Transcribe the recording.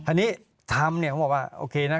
อันนี้ทำเนี่ยเขาบอกว่าโอเคนะ